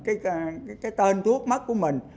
cái tên thuốc mất của mình